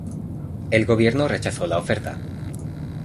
El gobierno rechazó la oferta.